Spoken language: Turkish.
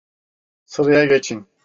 Sıraya geçin!